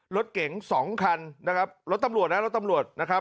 รถเก๋งสองคันนะครับรถตำรวจนะรถตำรวจนะครับ